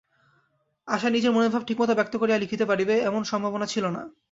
আশা নিজের মনের ভাব ঠিকমতো ব্যক্ত করিয়া লিখিতে পারিবে, এমন সম্ভাবনা ছিল না।